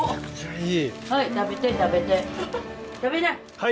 はい！